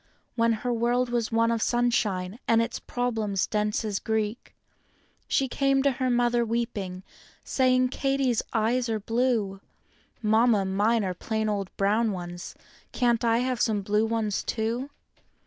When her world was one of sunshine, and its problems dense as Greek, She came to her mother weeping, saying "Katy's eyes are blue; Mamma, mine are plain old brown ones—can't I 1 some blur ^ too?"